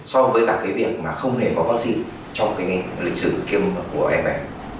so với cả cái việc mà không hề có vắc xin trong cái lịch sử kiêm của who